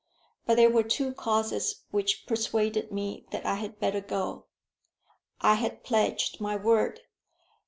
But there were two causes which persuaded me that I had better go. I had pledged my word.